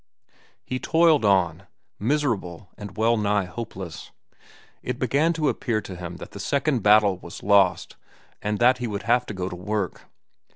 He toiled on, miserable and well nigh hopeless. It began to appear to him that the second battle was lost and that he would have to go to work.